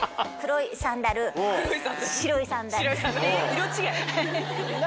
色違い？何？